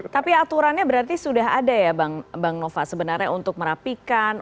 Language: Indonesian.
tapi aturannya berarti sudah ada ya bang nova sebenarnya untuk merapikan